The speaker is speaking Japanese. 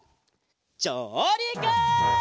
じょうりく！